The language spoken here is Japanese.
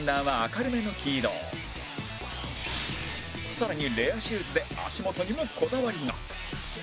更にレアシューズで足元にもこだわりが